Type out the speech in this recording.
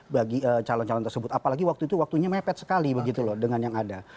bagi calon calon tersebut apalagi waktu itu waktunya mepet sekali begitu loh dengan yang ada